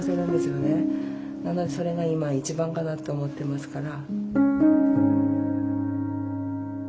なのでそれが今は一番かなって思ってますから。